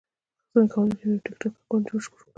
څنګه کولی شم یو ټکټاک اکاونټ مشهور کړم